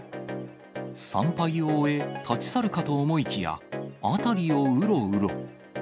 参拝を終え、立ち去るかと思いきや、辺りをうろうろ。